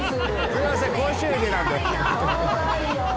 すいません高収入なんで。